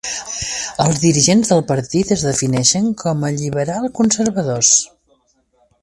Els dirigents del partit es defineixen com a liberal-conservadors.